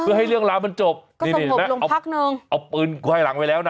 เพื่อให้เรื่องร้านมันจบก็สงบลงพักหนึ่งเอาเอาปืนก็ให้หลังไว้แล้วน่ะ